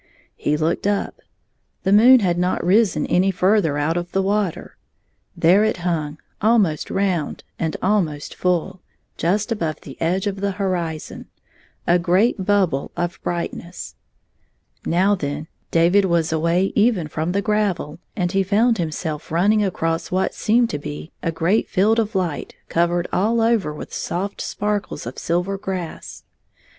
He looked up; the moon had not risen any ftirther out of the water. There it hung, almost round and almost ftdl, just above the edge of the horizon — a great bubble of brightness. Now then David was away even from the gravel, and he found himself running across what seemed to be a great field of light covered all over with soft sparkles of silver grass.